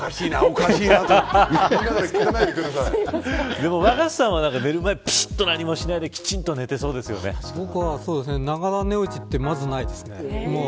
でも、若狭さんは寝る前ぴしっと何もしないで僕は、ながら寝落ちってまずないですね。